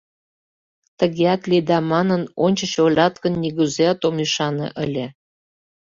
— Тыгеат лиеда манын, ончыч ойлат гын, нигузеат ом ӱшане ыле.